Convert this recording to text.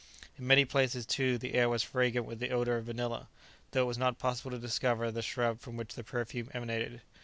In many places, too, the air was fragrant with the odour of vanilla, though it was not possible to discover the shrub from which the perfume emanated.